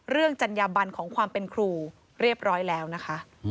จัญญาบันของความเป็นครูเรียบร้อยแล้วนะคะ